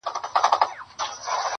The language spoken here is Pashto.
ذوالقافیتین -